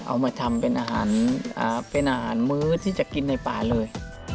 เอามาทำเป็นอาหารมื้อที่จะกินในป่าเลย